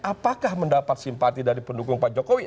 apakah mendapat simpati dari pendukung pak jokowi